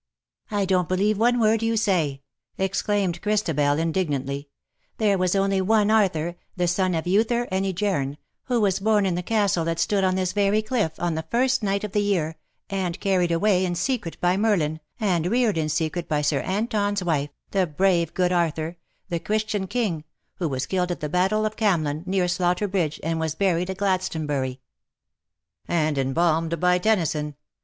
" I don't believe one word you say," exclaimed Christabel, indignantly; ^^ there was only one Arthur, the son of Uther and Ygerne, who was born in the castle that stood on this very cliff, on the first night of the year, and carried away in secret by Merlin, and reared in secret by Sir Anton's wife — the brave good Arthur — the Christian king — who was killed at the battle of Camlan, near Slaughter Bridge, and was buried at Glaston bury." "And embalmed by Tennyson.